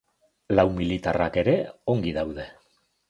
Lau militarrak ere ongi daude.